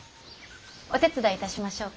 お手伝いいたしましょうか？